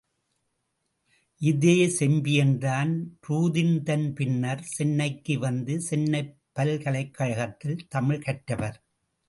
இதே செம்பியன்தான் ரூதின்தன் பின்னர், சென்னைக்கு வந்து, சென்னைப் பல்கலைக்கழகத்தில் தமிழ் கற்றவர்.